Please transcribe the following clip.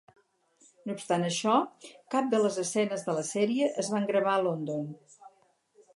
No obstant això, cap de les escenes de la sèrie es van gravar a London.